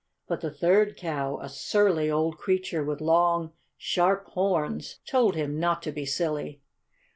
But the third cow (a surly old creature with long, sharp horns) told him not to be silly.